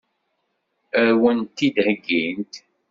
Ad wen-t-id-heggint?